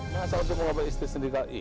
masa waktu ngelobat istri sendiri kali